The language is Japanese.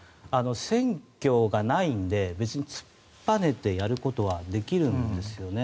選挙がないので別に突っぱねてやることはできるんですよね。